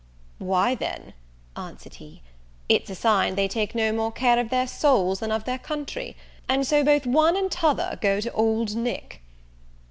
"Why then," answered he, "it's a sign they take no more care of their souls than of their country, and so both one and t'other go to old Nick."